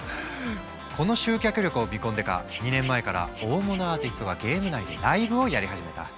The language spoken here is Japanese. この集客力を見込んでか２年前から大物アーティストがゲーム内でライブをやり始めた。